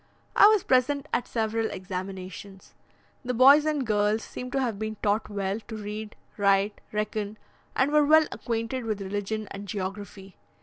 I was present at several examinations: the boys and girls seemed to have been taught well to read, write, reckon, and were well acquainted with religion and geography.